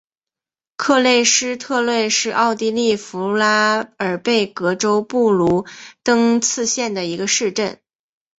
克勒施特勒是奥地利福拉尔贝格州布卢登茨县的一个市镇。